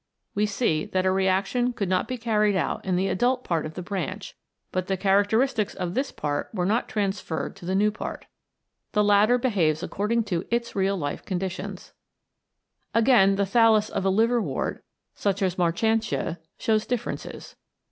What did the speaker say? We see that a reaction could not be carried out in the adult part of the branch, but the characteristics of this part were not transferred to the new part. The latter behaves according to its real life con 142 CHEMICAL INHERITANCE ditions. Again, the thallus of a liverwort, such as Marchantia, shows differences.